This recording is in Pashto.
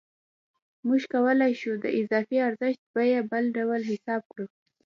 موږ کولای شو د اضافي ارزښت بیه بله ډول حساب کړو